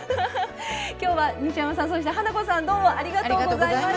今日は西山さんそして花子さんどうもありがとうございました。